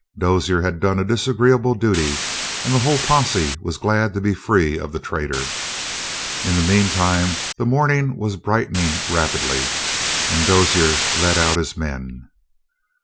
Dozier had done a disagreeable duty, and the whole posse was glad to be free of the traitor. In the meantime the morning was brightening rapidly, and Dozier led out his men.